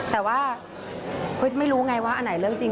แต่ว่าคริสไม่รู้ไงว่าอันไหนเรื่องจริง